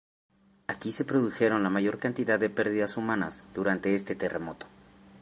Aquí se produjeron la mayor cantidad de perdidas humanas durante este terremoto.